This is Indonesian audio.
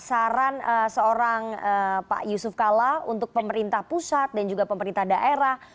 saran seorang pak yusuf kalla untuk pemerintah pusat dan juga pemerintah daerah